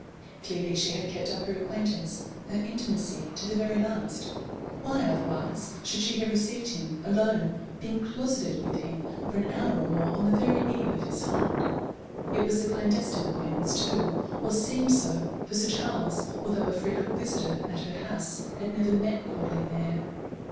Clearly she had kept up her acquaintance, her intimacy to the very last: why otherwise should she have received him, alone, been closeted with him for an hour or more on the very eve of his flight? It was a clandestine acquaintance too, or seemed so, for Sir Charles, although a frequent visitor at her house, had never met Quadling there.